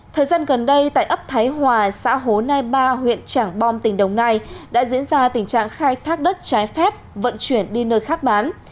thời gian gần đây tại ấp thái hòa xã hồ nai ba huyện trảng bom tỉnh đồng nai đã diễn ra tình trạng khai thác đất trái phép vận chuyển đi nơi khác bán